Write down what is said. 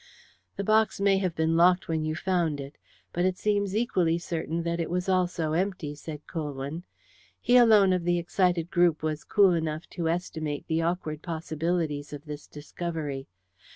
"The box may have been locked when you found it, but it seems equally certain that it was also empty," said Colwyn. He alone of the excited group was cool enough to estimate the awkward possibilities of this discovery.